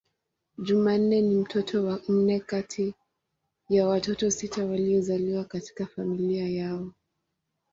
Jumanne ni mtoto wa nne kati ya watoto sita waliozaliwa katika familia yao.